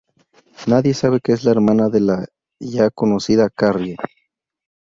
Nadie sabe que es la hermana de la ya conocida Carrie.